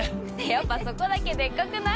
やっぱそこだけデカくない？